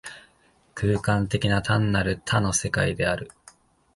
空間的な、単なる多の世界である。